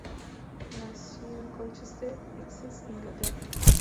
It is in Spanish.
Nació en Colchester, Essex, Inglaterra.